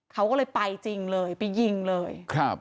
เขาก็เลยไปจริงเลยไปยิงเลย